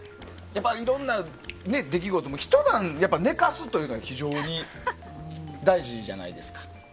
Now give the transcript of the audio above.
いろんな出来事もひと晩寝かすというのが非常に大事じゃないですか。